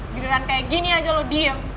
gerakan kayak gini aja lo diem